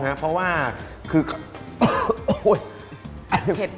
ใช่เพราะว่าคือจากเมื่อก่อนเนี่ย